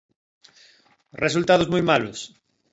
Resultados moi malos.